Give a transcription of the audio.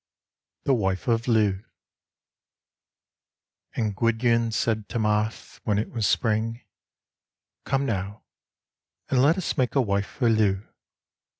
THE WIFE OF LLEW And Gwydion said to Math, when it was Spring: " Come now and let us make a wife for Llew."